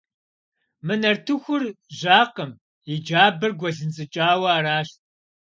Мы нартыхур жьакъым, и джабэр гуэлынцӏыкӏауэ аращ.